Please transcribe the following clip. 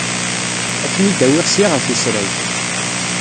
Ad ten-id-awiɣ ssya ɣef usrag.